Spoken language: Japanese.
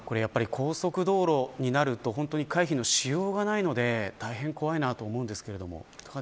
高速道路になると、本当に回避のしようがないので大変怖いなと思いますけど。